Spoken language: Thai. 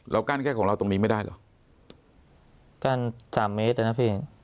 กั้นแค่ของเราตรงนี้ไม่ได้เหรอกั้นสามเมตรอะนะพี่